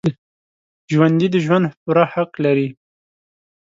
ژوندي د ژوند پوره حق لري